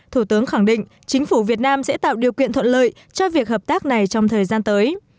thủ tướng khẳng định chính phủ việt nam sẽ tạo điều kiện thuận lợi cho việc hợp tác này trong thời gian tới